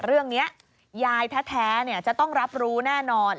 เรื่องนี้ยายแท้จะต้องรับรู้แน่นอน